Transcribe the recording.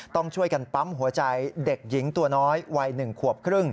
ต้องช่วยกันปั๊มหัวใจเด็กหญิงตัวน้อยวัย๑ขวบครึ่ง